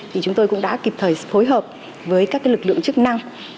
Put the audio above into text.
thì chúng tôi cũng đã kịp thời phối hợp với các lực lượng chức năng